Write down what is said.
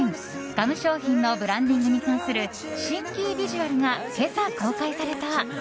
ガム商品のブランディングに関する新キービジュアルが今朝公開された。